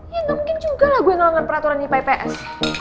ya gak mungkin juga lah gue ngelengar peraturan ipa ips